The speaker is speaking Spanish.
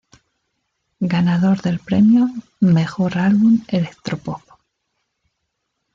Ganador del premio: Mejor Álbum Electro Pop.